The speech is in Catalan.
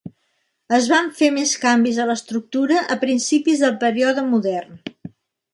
Es van fer més canvis a l'estructura a principis del període modern.